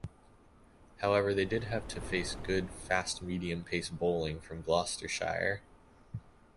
However, they did have to face good, fast-medium-pace bowling from Gloucestershire.